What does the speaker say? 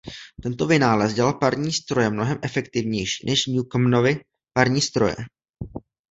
Tento vynález dělal parní stroje mnohem efektivnější než Newcomenovy parní stroje.